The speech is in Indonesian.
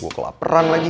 gue kelaperan lagi